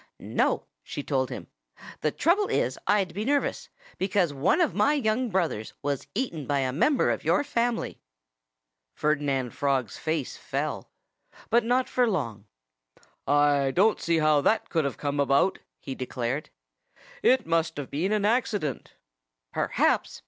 "No!" she told him. "The trouble is I'd be nervous, because one of my young brothers was eaten by a member of your family." Ferdinand Frog's face fell. But not for long. "I don't see how that could have come about," he declared. "It must have been an accident." "Perhaps!"